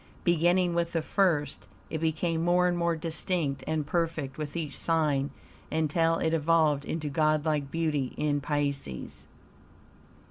Beginning with the first, it became more and more distinct and perfect with each sign until it evolved into godlike beauty in Pisces.